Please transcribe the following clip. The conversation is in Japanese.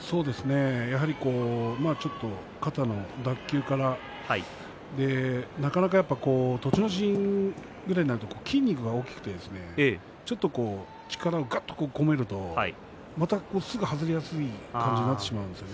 やっぱり肩の脱臼からなかなか栃ノ心ぐらいになると筋肉が大きくて力をぐっとこらえるとまたすぐに外れやすい感じになってしまいます。